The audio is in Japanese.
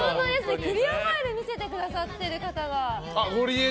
クリアファイルを見せてくださっている方が。